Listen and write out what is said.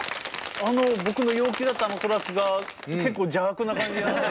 あの僕の陽気だったトラックが結構邪悪な感じになって。